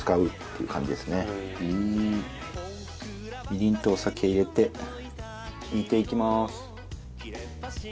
みりんとお酒入れて煮ていきます。